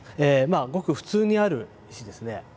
ごく普通にある石ですね。